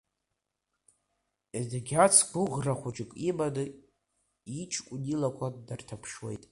Едгьац гәыӷра хәыҷык иманы иҷкәын илақәа днарҭаԥшуеит.